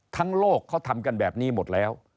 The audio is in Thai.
โลกเขาทำกันแบบนี้หมดแล้ว